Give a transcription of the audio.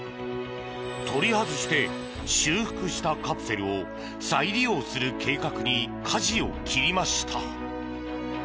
取り外して修復したカプセルを再利用する計画にかじを切りました。